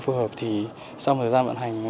phù hợp thì sau một thời gian vận hành